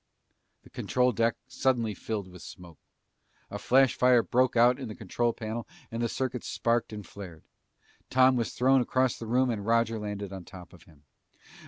The control deck suddenly filled with smoke. A flash fire broke out in the control panel and the circuits sparked and flared. Tom was thrown across the room and Roger landed on top of him.